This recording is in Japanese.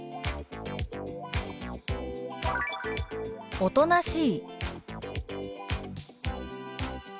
「おとなしい」。